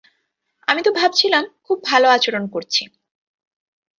আমি তো ভাবছিলাম খুব ভাল আচরণ করছি।